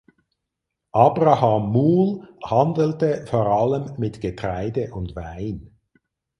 Abraham Muhl handelte vor allem mit Getreide und Wein.